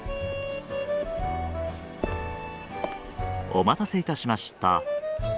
お待たせいたしました！